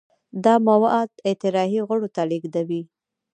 دا مواد اطراحي غړو ته لیږدوي.